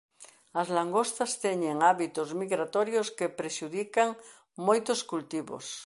As lagostas teñen hábitos migratorios que prexudican moitos cultivos.